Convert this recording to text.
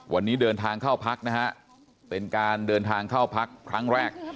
วันนี้เดินทางเข้าพักนะฮะเป็นการเดินทางเข้าพักครั้งแรก